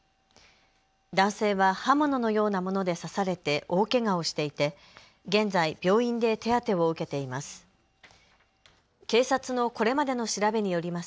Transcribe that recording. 男性は刃物のようなもので刺されて大けがをしていて現在、病院で手当てを受けています。